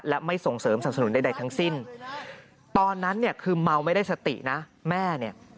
และไม่ส่งเสริมสนับสนุนใดทั้งสิ้นตอนนั้นเนี่ยคือเมาไม่ได้สตินะแม่เนี่ย